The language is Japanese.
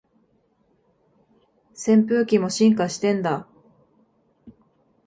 扇風機も進化してんだ